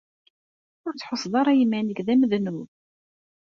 Ur tḥusseḍ ara iman-ik d amednub?